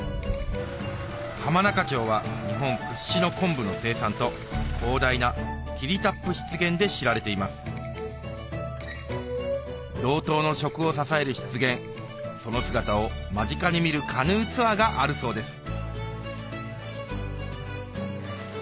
浜中町は日本屈指の昆布の生産と広大な霧多布湿原で知られています道東の食を支える湿原その姿を間近に見るカヌーツアーがあるそうです